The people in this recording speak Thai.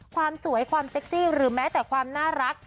ความสวยความเซ็กซี่หรือแม้แต่ความน่ารัก